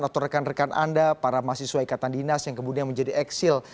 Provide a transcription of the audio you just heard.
atau rekan rekan anda para mahasiswa ikatan dinas yang kemudian menjadi eksil